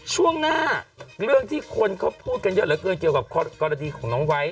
ช่วงหน้าเรื่องที่คนเขาพูดกันเยอะเหลือเกินเกี่ยวกับกรณีของน้องไว้